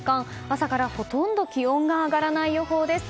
朝からほとんど気温が上がらない予報です。